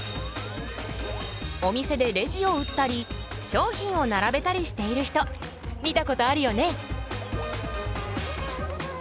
お店でレジを打ったり商品を並べたりしている人見たことあるよね。